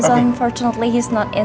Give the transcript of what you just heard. karena dia tidak masuk hari ini